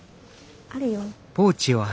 あるよ。